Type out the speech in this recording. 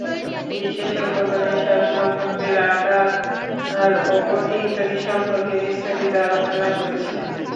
বিশেষজ্ঞগণ এসব নক্ষত্রের আকার ও গতি ইত্যাদি সম্পর্কে বিস্তারিত আলোচনা করেছেন।